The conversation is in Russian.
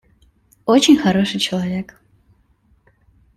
Очень хороший человек.